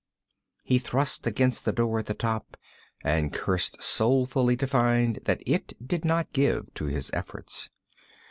He thrust against the door at the top, and cursed soulfully to find that it did not give to his efforts.